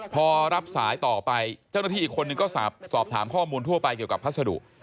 พอรับสายต่อไปเจ้าหน้าที่อีกคนนึงก็สอบถามข้อมูลทั่วไปเกี่ยวกับพัสดุ